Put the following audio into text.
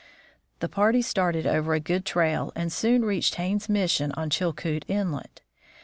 The party started over a good trail and soon reached Haines's mission on Chilkoot inlet.